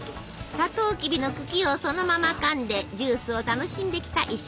さとうきびの茎をそのままかんでジュースを楽しんできた石垣島。